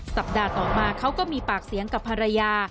สัปดาห์ต่อมาเขาก็มีปากเสียงกับภรรยา